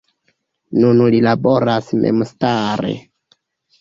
Nun li laboras memstare.